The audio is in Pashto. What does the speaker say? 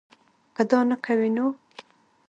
کۀ دا نۀ کوي نو